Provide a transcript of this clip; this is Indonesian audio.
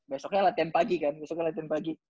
besoknya latihan pagi kan besoknya latihan pagi